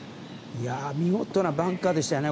見事なバンカーでしたね。